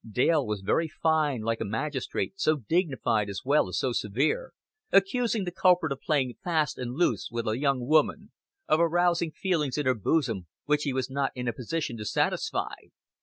Dale was very fine, like a magistrate, so dignified as well as so severe, accusing the culprit of playing fast and loose with a young woman, of arousing feelings in her bosom which he was not in a position to satisfy.